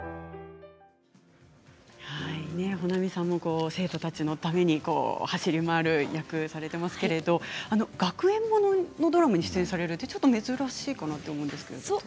保奈美さんも生徒たちのために走り回る役をされていますけれども学園物のドラマに出演されるのはちょっと珍しいかなと思うんですけれども。